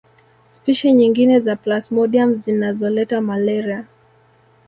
Spishi nyingine za plasmodium zinazoleta malaria